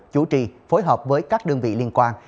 chủ trì phối hợp với các đơn vị liên quan